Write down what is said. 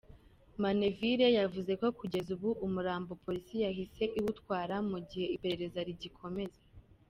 Manevure yavuze ko kugeza ubu umurambo Polisi yahise iwutwara, mu gihe iperereza rigikomeza.